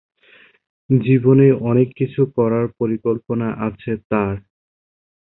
জীবনে অনেক কিছু করার পরিকল্পনা আছে তার।